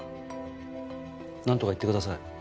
なんとか言ってください。